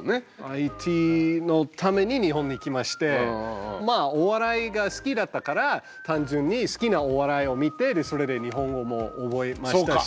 ＩＴのために日本に来ましてまあお笑いが好きだったから単純に好きなお笑いを見てでそれで日本語も覚えましたし。